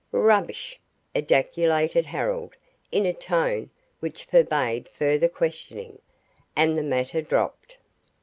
"Rubbish!" ejaculated Harold in a tone which forbade further questioning, and the matter dropped.